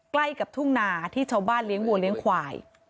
ใกล้กับทุ่งนาที่ชาวบ้านเลี้ยงวัวเลี้ยงควาย